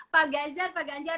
pak ganjar pak ganjar